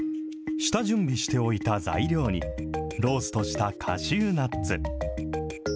下準備しておいた材料に、ローストしたカシューナッツ。